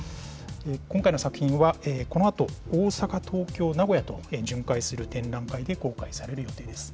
今回の作品は、このあと、大阪、東京、名古屋と巡回する展覧会で公開される予定です。